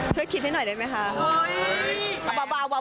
ตอนนี้เรียกว่าอะไรดีคะอาจารย์